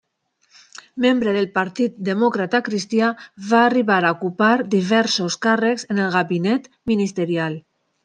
Membre del partit demòcrata cristià, va arribar a ocupar diversos càrrecs en el gabinet ministerial.